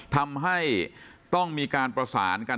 ทำให้ต้องมีการประสานกัน